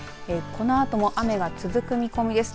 このあとも雨が続く見込みです。